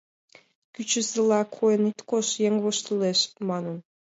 «Кӱчызыла койын ит кошт, еҥ воштылеш», манын.